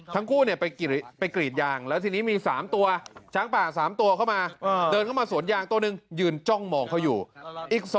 ทั้งคู่ไปเกียรี่ก